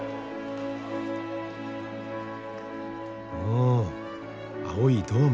お青いドーム。